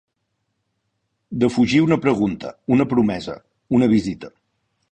Defugir una pregunta, una promesa, una visita.